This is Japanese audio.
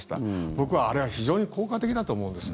僕はあれは非常に効果的だと思うんです。